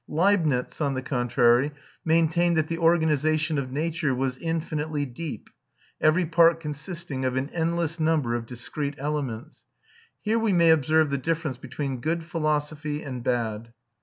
Leibnitz, on the contrary, maintained that the organisation of nature was infinitely deep, every part consisting of an endless number of discrete elements. Here we may observe the difference between good philosophy and bad.